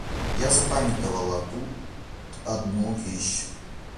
Я запамятовала тут одну вещь.